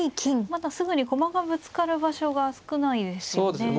まだすぐに駒がぶつかる場所が少ないですよね。